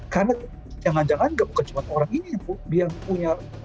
karena jangan jangan bukan cuma orang ini yang punya